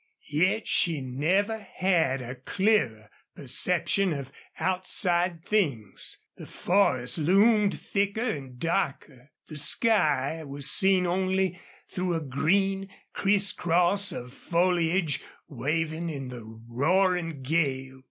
Yet she never had a clearer perception of outside things. The forest loomed thicker and darker. The sky was seen only through a green, crisscross of foliage waving in the roaring gale.